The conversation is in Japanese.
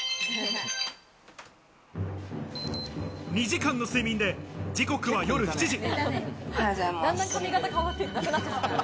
２時間の睡眠で時刻は夜７時。